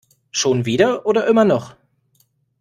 Schon wieder oder immer noch?